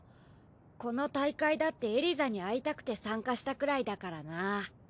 この大会だってエリザに会いたくて参加したくらいだからな。